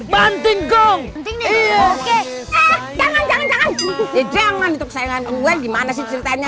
banting gong jangan jangan jangan jangan itu kesayangan gue gimana sih ceritanya